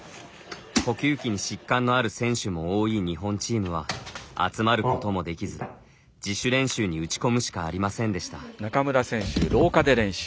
呼吸器に疾患のある選手も多い日本チームは集まることもできず自主練習に打ち込むしかありませんでした。